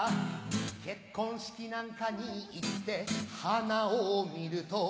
結婚式なんかに行って花を見ると